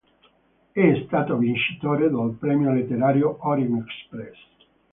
È stato vincitore del Premio Letterario Orient-Express.